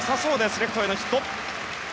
レフトへのヒット。